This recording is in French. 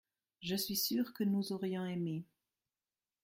Je suis sûr que nous aurions aimé.